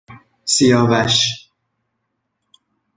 سیاوش